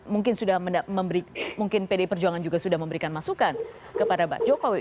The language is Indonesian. mungkin sudah memberi mungkin pdi perjuangan juga sudah memberikan masukan kepada pak jokowi